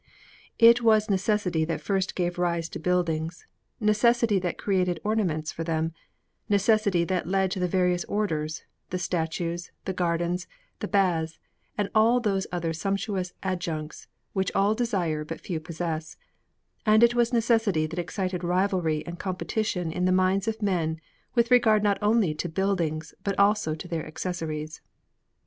It was necessity that first gave rise to buildings; necessity that created ornaments for them; necessity that led to the various Orders, the statues, the gardens, the baths, and all those other sumptuous adjuncts which all desire but few possess; and it was necessity that excited rivalry and competition in the minds of men with regard not only to buildings, but also to their accessories.